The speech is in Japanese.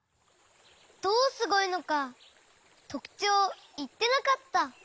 どうすごいのかとくちょうをいってなかった。